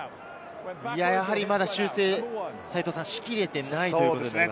まだ修正しきれていないということですか。